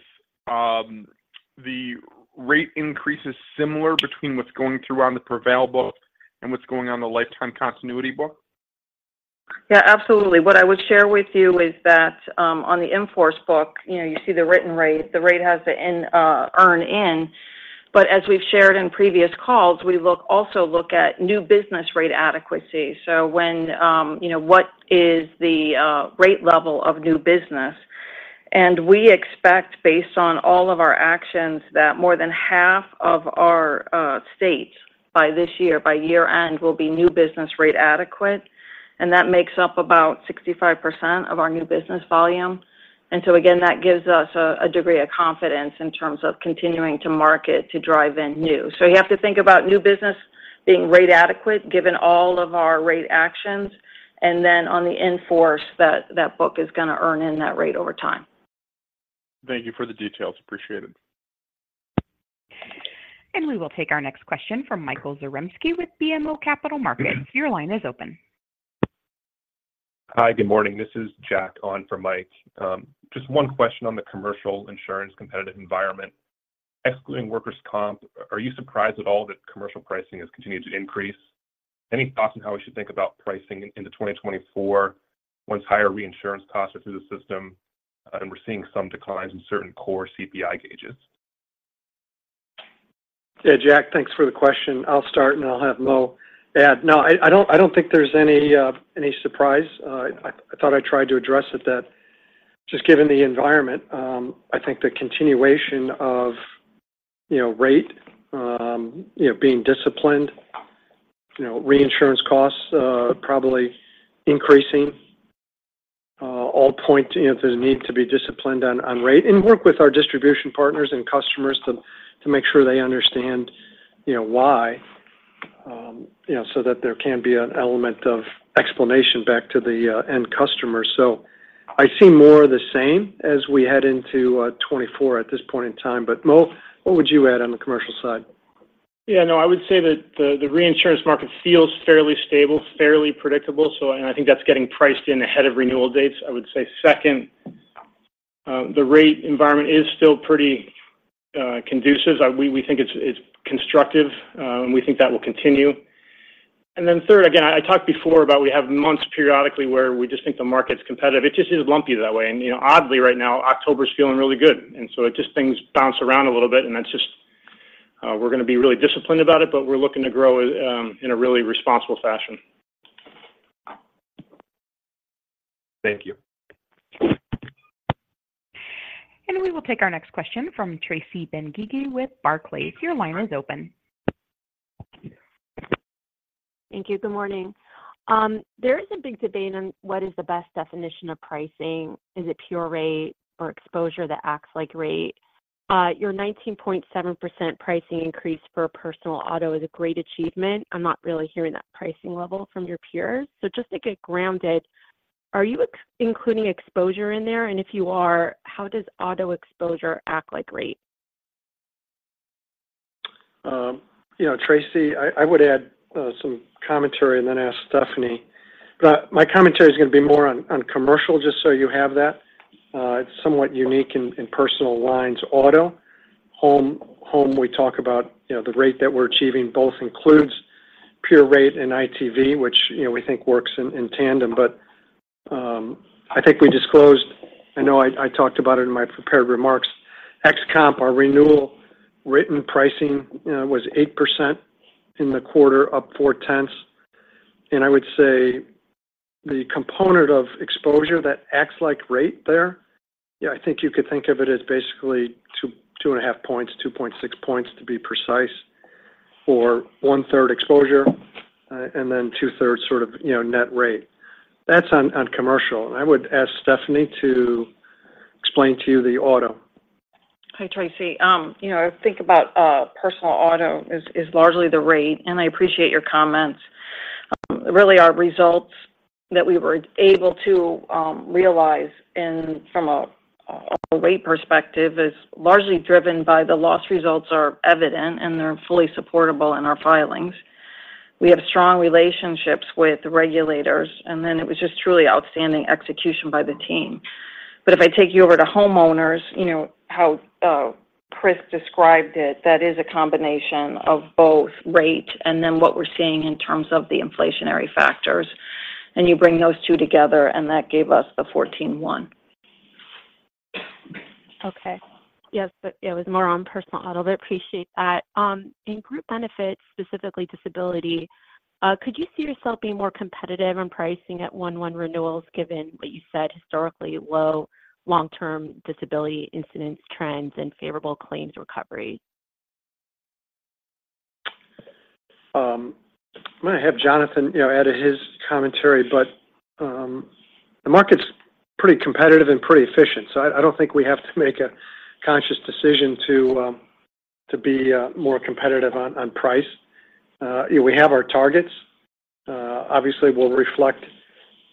the rate increases similar between what's going through on the Prevail book and what's going on the lifetime continuity book? Yeah, absolutely. What I would share with you is that, on the in-force book, you know, you see the written rate. The rate has to end, earn in. But as we've shared in previous calls, we also look at new business rate adequacy. So when, you know, what is the rate level of new business? And we expect, based on all of our actions, that more than half of our states by this year, by year end, will be new business rate adequate, and that makes up about 65% of our new business volume. And so again, that gives us a degree of confidence in terms of continuing to market to drive in new. So you have to think about new business being rate adequate, given all of our rate actions, and then on the in-force, that book is going to earn in that rate over time. Thank you for the details. Appreciate it. We will take our next question from Michael Zaremski with BMO Capital Markets. Your line is open. Hi, good morning. This is Jack on from Mike. Just one question on the commercial insurance competitive environment. Excluding workers' comp, are you surprised at all that commercial pricing has continued to increase? Any thoughts on how we should think about pricing into 2024, once higher reinsurance costs are through the system, and we're seeing some declines in certain core CPI gauges? Yeah, Jack, thanks for the question. I'll start, and I'll have Mo add. No, I don't think there's any surprise. I thought I tried to address it, that just given the environment, I think the continuation of, you know, rate, you know, being disciplined, you know, reinsurance costs, probably increasing, all point to, you know, there's need to be disciplined on rate and work with our distribution partners and customers to make sure they understand, you know, why, you know, so that there can be an element of explanation back to the end customer. So I see more of the same as we head into 2024 at this point in time. But Mo, what would you add on the commercial side? Yeah, no, I would say that the reinsurance market feels fairly stable, fairly predictable, so and I think that's getting priced in ahead of renewal dates. I would say second, the rate environment is still pretty conducive. We think it's constructive, and we think that will continue. And then third, again, I talked before about we have months periodically where we just think the market's competitive. It just is lumpy that way. And, you know, oddly, right now, October's feeling really good, and so it just things bounce around a little bit, and that's just, we're going to be really disciplined about it, but we're looking to grow in a really responsible fashion. Thank you. We will take our next question from Tracy Benguigui with Barclays. Your line is open. Thank you. Good morning. There is a big debate on what is the best definition of pricing. Is it pure rate or exposure that acts like rate? Your 19.7% pricing increase for personal auto is a great achievement. I'm not really hearing that pricing level from your peers. So just to get grounded, are you including exposure in there? And if you are, how does auto exposure act like rate? You know, Tracy, I would add some commentary and then ask Stephanie. But my commentary is going to be more on commercial, just so you have that. It's somewhat unique in personal lines, auto. Home, we talk about, you know, the rate that we're achieving both includes pure rate and ITV, which, you know, we think works in tandem. But I think we disclosed, I know I talked about it in my prepared remarks, ex-comp, our renewal written pricing was 8% in the quarter, up four tenths. And I would say the component of exposure that acts like rate there, yeah, I think you could think of it as basically 2, 2.5 points, 2.6 points, to be precise, or one-third exposure, and then two-thirds sort of, you know, net rate. That's on commercial. I would ask Stephanie to explain to you the auto. Hi, Tracy. You know, I think about personal auto as largely the rate, and I appreciate your comments. Really, our results that we were able to realize in from a rate perspective is largely driven by the loss results are evident, and they're fully supportable in our filings. We have strong relationships with the regulators, and then it was just truly outstanding execution by the team. But if I take you over to homeowners, you know, how Chris described it, that is a combination of both rate and then what we're seeing in terms of the inflationary factors. And you bring those two together, and that gave us the 14.1. Okay. Yes, but it was more on personal auto, but I appreciate that. In group benefits, specifically disability, could you see yourself being more competitive in pricing at 11 renewals, given what you said, historically low long-term disability incidents, trends, and favorable claims recovery? I'm going to have Jonathan, you know, add to his commentary, but the market's pretty competitive and pretty efficient, so I don't think we have to make a conscious decision to be more competitive on price. We have our targets. Obviously, we'll reflect,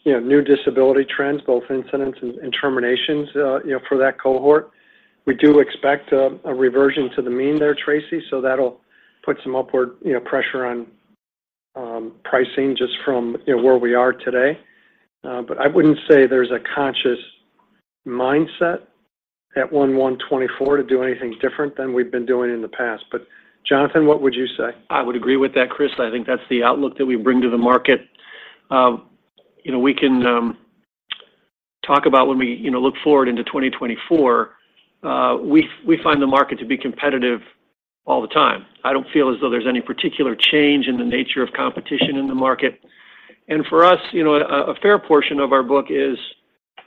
you know, new disability trends, both incidents and terminations, you know, for that cohort. We do expect a reversion to the mean there, Tracy, so that'll put some upward, you know, pressure on pricing just from, you know, where we are today. But I wouldn't say there's a conscious mindset at 1/1/24 to do anything different than we've been doing in the past. But Jonathan, what would you say? I would agree with that, Chris. I think that's the outlook that we bring to the market. You know, we can talk about when we, you know, look forward into 2024, we find the market to be competitive all the time. I don't feel as though there's any particular change in the nature of competition in the market. And for us, you know, a fair portion of our book is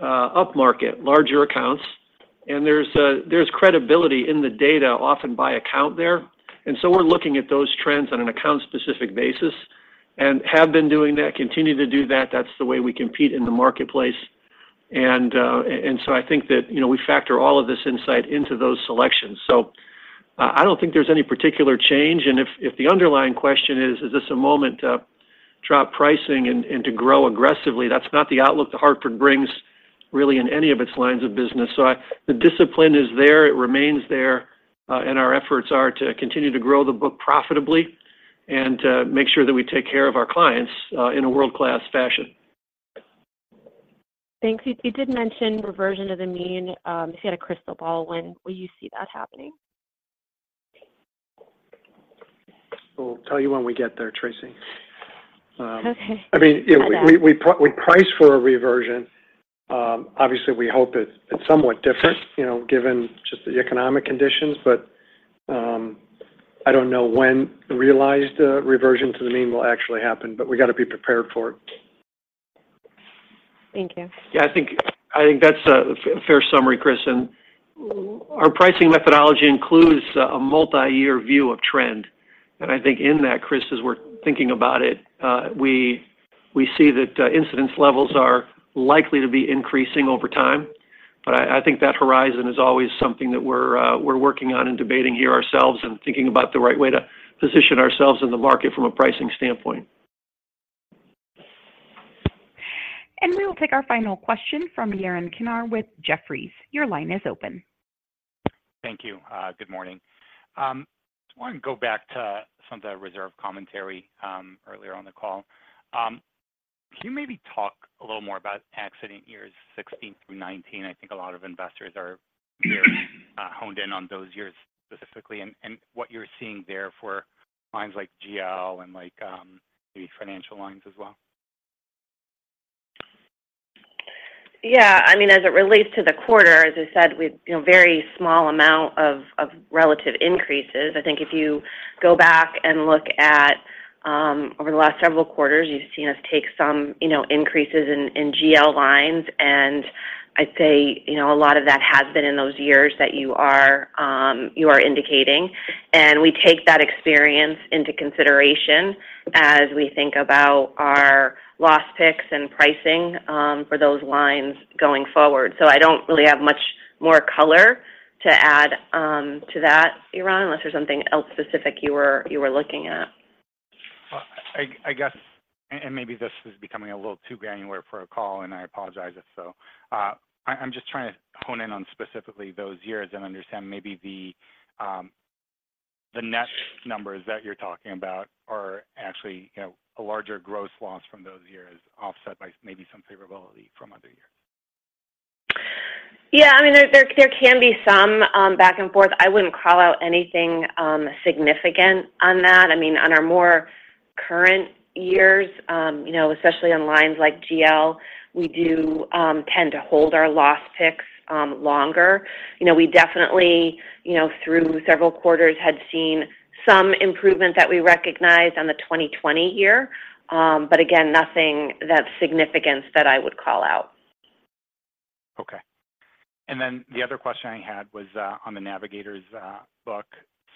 upmarket, larger accounts, and there's credibility in the data, often by account there. And so we're looking at those trends on an account-specific basis and have been doing that, continue to do that. That's the way we compete in the marketplace. And so I think that, you know, we factor all of this insight into those selections. I don't think there's any particular change, and if the underlying question is: is this a moment to drop pricing and to grow aggressively? That's not the outlook that Hartford brings really in any of its lines of business. The discipline is there, it remains there, and our efforts are to continue to grow the book profitably and make sure that we take care of our clients in a world-class fashion. Thanks. You, you did mention reversion to the mean. If you had a crystal ball, when will you see that happening? We'll tell you when we get there, Tracy. Okay. I mean, you know, we price for a reversion. Obviously, we hope it's somewhat different, you know, given just the economic conditions. But, I don't know when the realized reversion to the mean will actually happen, but we've got to be prepared for it. Thank you. Yeah, I think, I think that's a fair summary, Chris. And our pricing methodology includes a multiyear view of trend, and I think in that, Chris, as we're thinking about it, we see that incidence levels are likely to be increasing over time. But I think that horizon is always something that we're working on and debating here ourselves and thinking about the right way to position ourselves in the market from a pricing standpoint. We will take our final question from Yaron Kinar with Jefferies. Your line is open. Thank you. Good morning. I want to go back to some of the reserve commentary earlier on the call. Can you maybe talk a little more about accident years 16 through 19? I think a lot of investors are honed in on those years specifically, and what you're seeing there for lines like GL and like the financial lines as well. Yeah, I mean, as it relates to the quarter, as I said, we've, you know, very small amount of, of relative increases. I think if you go back and look at over the last several quarters, you've seen us take some, you know, increases in, in GL lines, and I'd say, you know, a lot of that has been in those years that you are indicating. And we take that experience into consideration as we think about our loss picks and pricing for those lines going forward. So I don't really have much more color to add to that, Yaron, unless there's something else specific you were looking at. Well, I guess, and maybe this is becoming a little too granular for a call, and I apologize if so. I'm just trying to hone in on specifically those years and understand maybe the, the net numbers that you're talking about are actually, you know, a larger gross loss from those years, offset by maybe some favorability from other years. Yeah, I mean, there can be some back and forth. I wouldn't call out anything significant on that. I mean, on our more current years, you know, especially on lines like GL, we do tend to hold our loss picks longer. You know, we definitely, you know, through several quarters, had seen some improvement that we recognized on the 2020 year, but again, nothing that significance that I would call out. Okay. And then the other question I had was on the Navigators' book.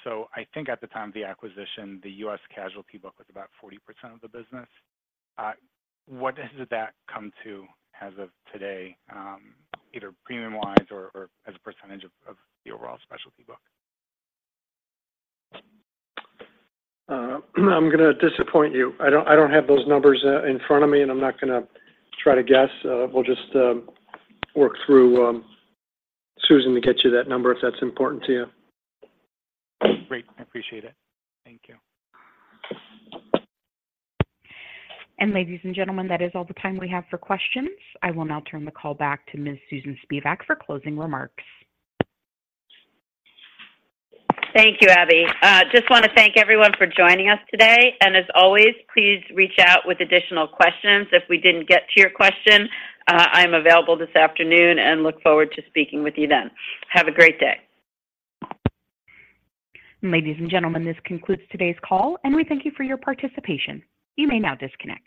So I think at the time of the acquisition, the U.S. casualty book was about 40% of the business. What does that come to as of today, either premium-wise or, or as a percentage of, of the overall specialty book? I'm going to disappoint you. I don't, I don't have those numbers in front of me, and I'm not going to try to guess. We'll just work through Susan to get you that number, if that's important to you. Great, I appreciate it. Thank you. Ladies and gentlemen, that is all the time we have for questions. I will now turn the call back to Ms. Susan Spivak for closing remarks. Thank you, Abby. Just want to thank everyone for joining us today, and as always, please reach out with additional questions. If we didn't get to your question, I'm available this afternoon and look forward to speaking with you then. Have a great day. Ladies and gentlemen, this concludes today's call, and we thank you for your participation. You may now disconnect.